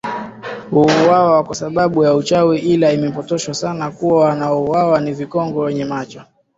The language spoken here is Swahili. huuwawa kwa sababu ya uchawi ila imepotoshwa sana kuwa wanaouwawa ni vikongwe wenye macho